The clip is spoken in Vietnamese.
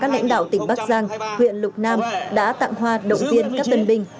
lãnh đạo tỉnh bắc giang huyện lục nàng đã tạm hoa động viên các tân binh